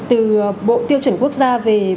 từ bộ tiêu chuẩn quốc gia về